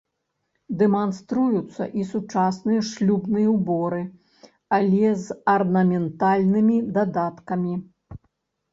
Дэманструюцца і сучасныя шлюбныя ўборы, але з арнаментальнымі дадаткамі.